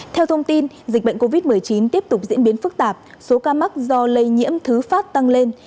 theo thông tin dịch bệnh covid một mươi chín tiếp tục diễn biến phức tạp số ca mắc do lây nhiễm thứ phát tăng lên